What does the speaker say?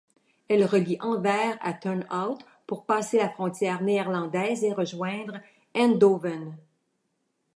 Elle relie Anvers à Turnhout pour passer la frontière néerlandaise et rejoindre Eindhoven.